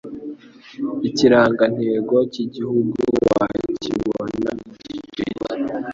ikirangantego cy'igihugu wakibona mugiceri